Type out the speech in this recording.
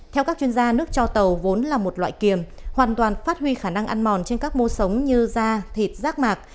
theo các chuyên gia nước cho tàu vốn là một loại kiềm hoàn toàn phát huy khả năng ăn mòn trên các mô sống như da thịt rác mạc